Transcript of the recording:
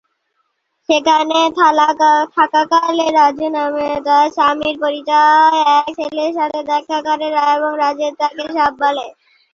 সেখানে থাকাকালে রাজু নামে তার স্বামীর পরিচিত এক ছেলের সাথে দেখা করেন এবং রাজু তাকে সব বলে।